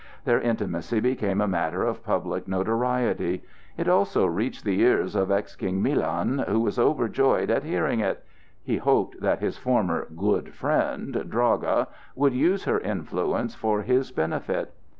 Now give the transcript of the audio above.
Their intimacy became a matter of public notoriety. It also reached the ears of ex King Milan, who was overjoyed at hearing it; he hoped that his former "good friend" Draga would use her influence for his benefit.